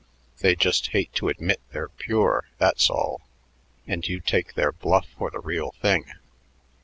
They just hate to admit they're pure, that's all; and you take their bluff for the real thing."